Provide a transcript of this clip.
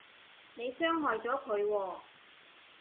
你傷害咗佢喎